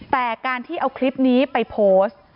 แต่การที่เอาคลิปนี้ไปโพสต์